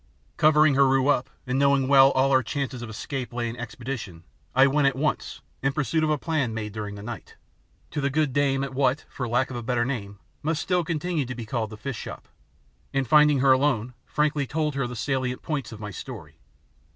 Covering Heru up and knowing well all our chances of escape lay in expedition, I went at once, in pursuance of a plan made during the night, to the good dame at what, for lack of a better name, must still continue to be called the fish shop, and finding her alone, frankly told her the salient points of my story.